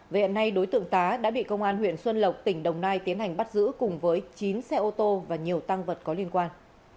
về hiện nay đối tượng tá đã bị công an huyện xuân lộc tỉnh đồng nai tiến hành bắt giữ cùng với chín xe ô tô và nhiều tăng vật có liên quan